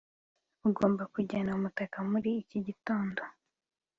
ugomba kujyana umutaka muri iki gitondo